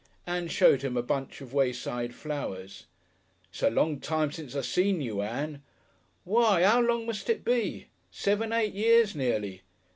Ann showed him a bunch of wayside flowers. "It's a long time since I seen you, Ann. Why, 'ow long must it be? Seven eight years nearly."